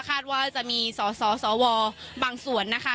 คาดว่าจะมีสสวบางส่วนนะคะ